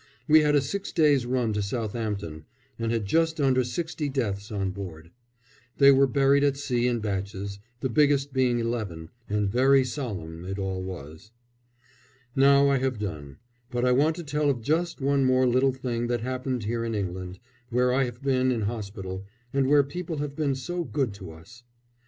We had a six days' run to Southampton, and had just under sixty deaths on board. They were buried at sea in batches, the biggest being eleven and very solemn it all was. Now I have done; but I want to tell of just one more little thing that happened here in England, where I have been in hospital, and where people have been so good to us.